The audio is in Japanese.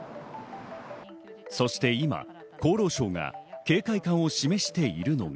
そして今、厚労省が警戒感を示しているのが。